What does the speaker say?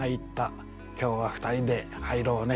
「今日は２人で入ろうね」。